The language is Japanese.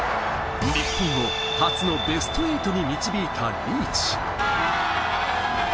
日本を初のベスト８に導いたリーチ。